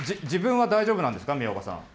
自分は大丈夫なんですか？